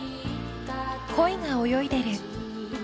［コイが泳いでる］